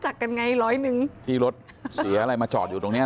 บาทหนึ่งพอไม่เอาเยอะบาทหนึ่งนะฮะเออ